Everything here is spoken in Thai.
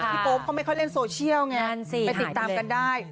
โป๊ปเขาไม่ค่อยเล่นโซเชียลไงไปติดตามกันได้